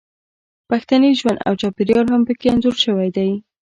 پښتني ژوند او چاپیریال هم پکې انځور شوی دی